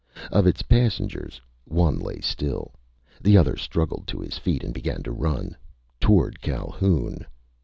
Of its passengers, one lay still. The other struggled to his feet and began to run toward Calhoun.